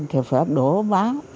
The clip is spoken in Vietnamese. thì phải đổ máu